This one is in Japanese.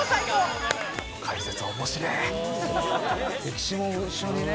歴史も一緒にね。